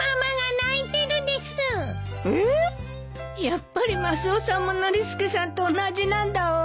やっぱりマスオさんもノリスケさんと同じなんだわ。